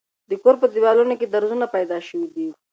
د کور په دېوالونو کې درځونه پیدا شوي دي.